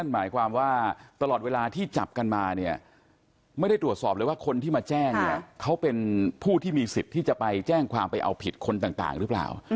หมายความว่าตลอดเวลาที่จับกันมาเนี่ยไม่ได้ตรวจสอบเลยว่าคนที่มาแจ้งเนี่ยเขาเป็นผู้ที่มีสิทธิ์ที่จะไปแจ้งความไปเอาผิดคนต่างหรือเปล่า